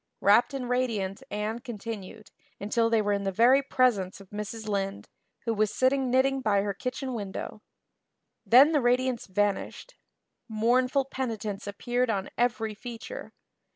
Rapt and radiant Anne continued until they were in the very presence of Mrs. Lynde, who was sitting knitting by her kitchen window. Then the radiance vanished. Mournful penitence appeared on every feature.